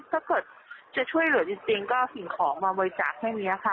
ถ้าเกิดจะช่วยเหลือจริงก็เอาสิ่งของมาบริจาคแค่นี้ค่ะ